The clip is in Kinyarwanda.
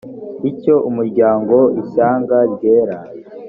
icyo umuryango ishyanga ryera